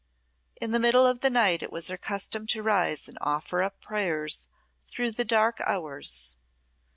In the middle of the night it was her custom to rise and offer up prayers through the dark hours.